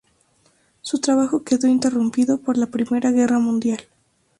Su trabajo quedó interrumpido por la Primera Guerra Mundial.